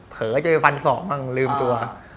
เผลอจะไปฟันศอกบ้างลืมตัว